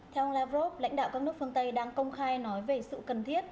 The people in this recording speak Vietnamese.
theo lavrov lãnh đạo các nước phương tây đang công khai nói về sự cần thiết